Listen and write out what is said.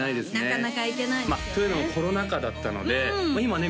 なかなか行けないですよねというのもコロナ禍だったので今ね